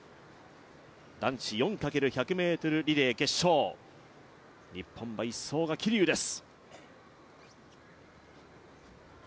男子４×１００ｍリレー決勝、日本は１走が桐生です。